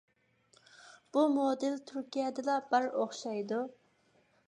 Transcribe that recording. بۇ مودېل تۈركىيەدىلا بار ئوخشايدۇ.